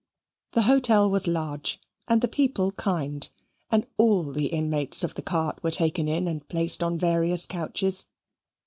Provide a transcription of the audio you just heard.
The hotel was large, and the people kind, and all the inmates of the cart were taken in and placed on various couches.